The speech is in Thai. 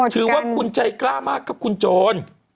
ถือว่าคุณใจกล้ามากครับคุณโจร